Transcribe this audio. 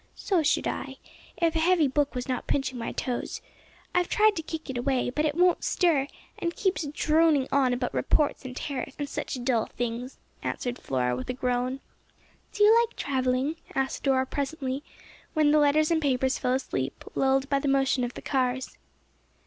"So should I, if a heavy book was not pinching my toes. I've tried to kick it away, but it won't stir, and keeps droning on about reports and tariffs and such dull things," answered Flora, with a groan. "Do you like travelling?" asked Dora, presently, when the letters and papers fell asleep, lulled by the motion of the cars.